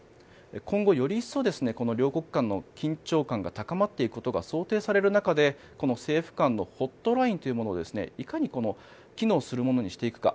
今後、より一層両国間の緊張感が高まっていくことが想定される中で、政府間のホットラインというものをいかに機能するものにしていくか